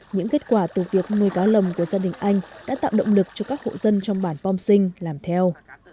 và từ việc nuôi cá lồng của gia đình anh đã tạo động lực cho các hộ dân trong bản pom sinh làm theo